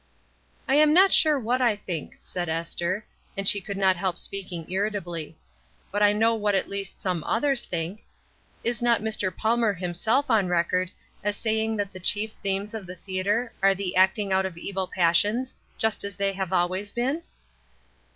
"I am not sure what I think," said Esther, and she could not help speaking irritably. "But I know what at least some others think. Is not Mr. Palmer himself on record as saying that the chief themes of the theatre are the acting out of evil passions, just as they have always been?"